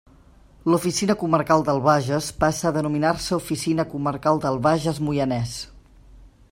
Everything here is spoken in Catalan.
L'Oficina Comarcal del Bages passa a denominar-se Oficina Comarcal del Bages – Moianès.